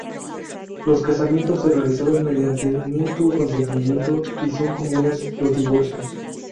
Los casamientos se realizan mediante mutuo consentimiento y son comunes los divorcios.